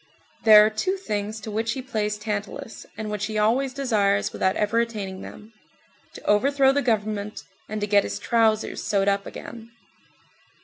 There are two things to which he plays Tantalus, and which he always desires without ever attaining them: to overthrow the government, and to get his trousers sewed up again.